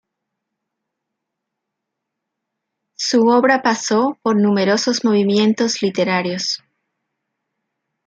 Su obra pasó por numerosos movimientos literarios.